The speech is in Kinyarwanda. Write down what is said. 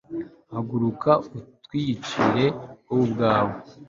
haguruka utwiyicire wowe ubwawe